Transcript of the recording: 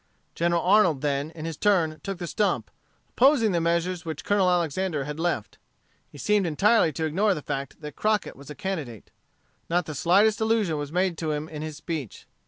General Arnold then, in his turn, took the stump, opposing the measures which Colonel Alexander had left. He seemed entirely to ignore the fact that Crockett was a candidate. Not the slightest allusion was made to him in his speech.